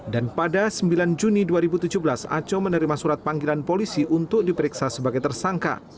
dan pada sembilan juni dua ribu tujuh belas aco menerima surat panggilan polisi untuk diperiksa sebagai tersangka